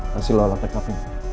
masih lola tkp